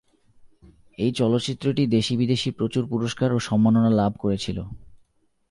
এই চলচ্চিত্রটি দেশী-বিদেশী প্রচুর পুরস্কার ও সম্মাননা লাভ করেছিল।